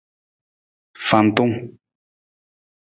Fantung.